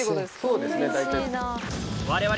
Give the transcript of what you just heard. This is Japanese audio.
そうですね大体。